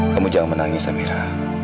kamu jangan menangis amira